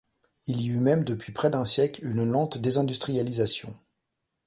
Il y eut même depuis près d'un siècle une lente désindustrialisation.